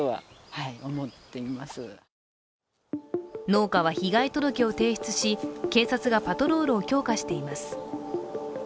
農家は被害届を提出し、警察がパトロールを強化しています。